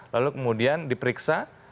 lalu kemudian diperiksa